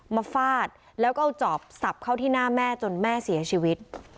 ฟาดแล้วก็เอาจอบสับเข้าที่หน้าแม่จนแม่เสียชีวิต